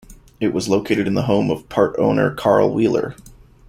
It was located in the home of part-owner Carl Wheeler.